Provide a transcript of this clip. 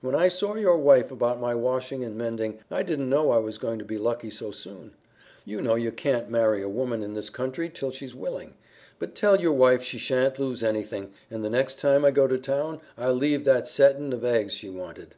When I saw your wife about my washing and mending I didn't know I was going to be lucky so soon. You know you can't marry a woman in this country till she's willing. But tell your wife she shan't lose anything, and the next time I go to town I'll leave that settin' of eggs she wanted.